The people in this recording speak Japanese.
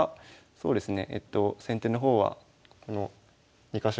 そうですね。